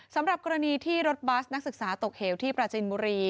สำหรับกรณีที่รถบัสนักศึกษาตกเหวที่ปราจินบุรี